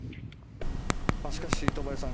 しかし、戸張さん